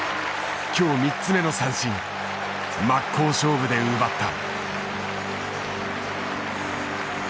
今日３つ目の三振真っ向勝負で奪った。